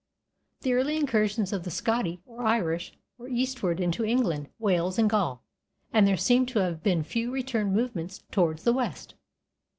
The early incursions of the Scotti or Irish were eastward into England, Wales, and Gaul, and there seem to have been few return movements towards the west.